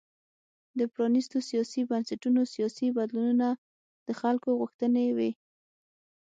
د پرانیستو سیاسي بنسټونو سیاسي بدلونونه د خلکو غوښتنې وې.